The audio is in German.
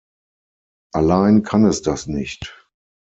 Allein kann es das nicht.